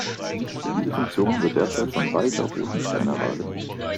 Diese Funktion wird derzeit von Walter Rothensteiner wahrgenommen.